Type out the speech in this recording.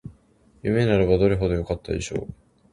夢ならばどれほどよかったでしょう